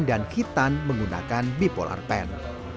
sudahkan proses pemasangan clamp dan hitan menggunakan bipolar pen